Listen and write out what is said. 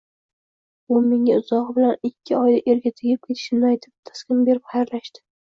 U menga uzog`i bilan ikki oyda erga tegib ketishimni aytib, taskin berib xayrlashdi